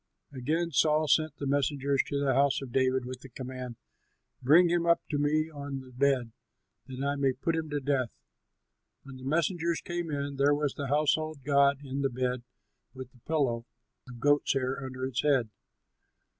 Again Saul sent the messengers to the house of David with the command, "Bring him up to me on the bed, that I may put him to death." When the messengers came in, there was the household god in the bed with the pillow of goat's hair under its head.